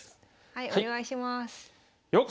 はいお願いします。